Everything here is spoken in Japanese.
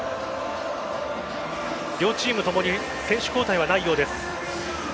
両チームともに選手交代はないようです。